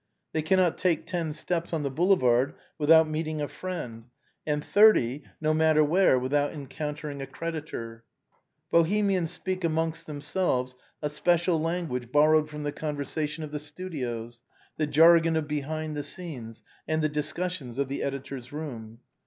They cannot take ten steps on the Boulevard without meeting a friend, and thirty, no matter where, without encounter ing a creditor. Bohemians speak amongst themselves a special language borrowed from the conversation of the studios, the jargon of behind the scenes, and the discussions of the editor's room.